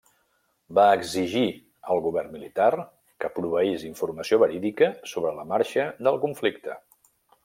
Va exigir al govern militar que proveís informació verídica sobre la marxa del conflicte.